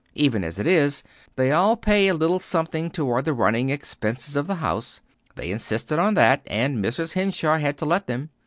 Even as it is, they all pay a little something toward the running expenses of the house. They insisted on that, and Mrs. Henshaw had to let them.